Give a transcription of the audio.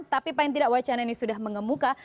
tapi paling tidak wacana ini sudah mengemuka